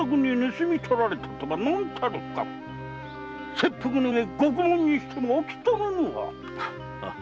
切腹の上獄門にしても飽き足らぬわ！